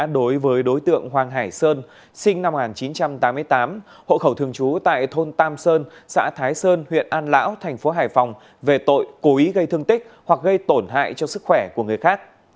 đối với đối tượng hoàng hải sơn sinh năm một nghìn chín trăm tám mươi tám hộ khẩu thường trú tại thôn tam sơn xã thái sơn huyện an lão thành phố hải phòng về tội cố ý gây thương tích hoặc gây tổn hại cho sức khỏe của người khác